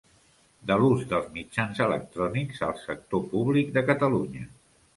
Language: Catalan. De l'ús dels mitjans electrònics al sector públic de Catalunya.